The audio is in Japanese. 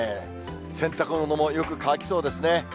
洗濯物もよく乾きそうですね。